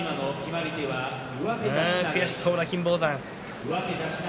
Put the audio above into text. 悔しそうな金峰山。